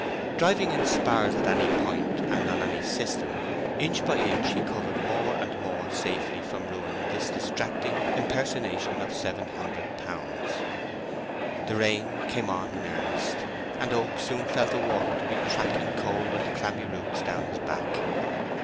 Driving in spars at any point and on any system, inch by inch he covered more and more safely from ruin this distracting impersonation of seven hundred pounds. The rain came on in earnest, and Oak soon felt the water to be tracking cold and clammy routes down his back.